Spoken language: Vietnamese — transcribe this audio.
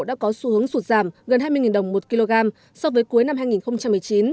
đã có xu hướng sụt giảm gần hai mươi đồng một kg so với cuối năm hai nghìn một mươi chín